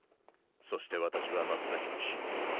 そして私は真っ先に死ぬ。